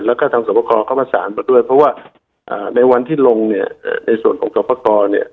แล้วก็ทางศพกรก็ผสานมาด้วยเพราะว่าในวันที่ลงในศพกร